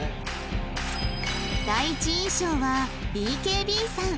第一印象は ＢＫＢ さん